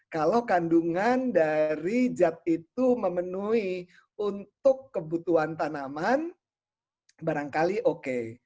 kalau kandungan dari zat itu memenuhi untuk kebutuhan tanaman barangkali oke